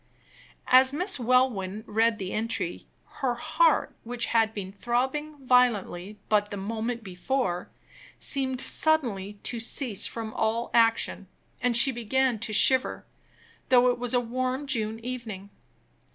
As Miss Welwyn read the entry, her heart, which had been throbbing violently but the moment before, seemed suddenly to cease from all action, and she began to shiver, though it was a warm June evening.